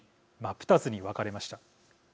二つに分かれました。